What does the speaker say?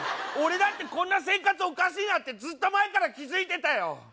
俺だってこんな生活おかしいなってずっと前から気付いてたよ。